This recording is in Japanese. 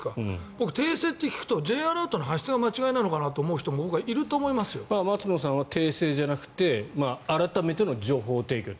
僕、訂正っていうとＪアラートの発出が間違えなのかなと思う人も松野さんは訂正じゃなくて改めての情報提供と。